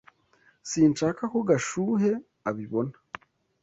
Sinshaka ko Gashuhe abibona.